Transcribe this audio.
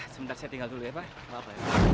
sebentar saya tinggal dulu ya pak